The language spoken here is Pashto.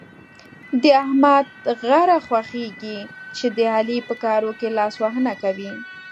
د احمد غره خوږېږي چې د علي په کارو کې لاسوهنه کوي.